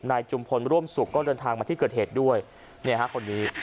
จุมพลร่วมสุขก็เดินทางมาที่เกิดเหตุด้วยเนี่ยฮะคนนี้